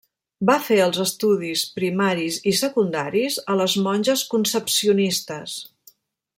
Va fer els estudis primaris i secundaris a les monges Concepcionistes.